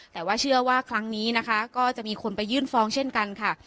แต่ว่าเชื่อว่าครั้งนี้นะคะก็จะมีคนไปยื่นฟ้องเช่นกันค่ะ